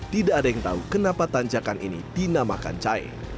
tidak ada yang tahu kenapa tanjakan ini dinamakan cai